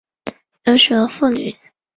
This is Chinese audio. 有许多妇女